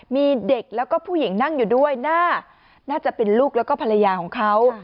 มีเด็กแล้วก็ผู้หญิงนั่งอยู่ด้วยน่าจะเป็นลูกแล้วก็ภรรยาของเขา